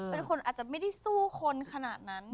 เป็นคนอาจจะไม่ได้สู้คนขนาดนั้น